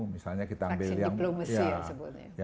vaksin diplomasi ya sebutnya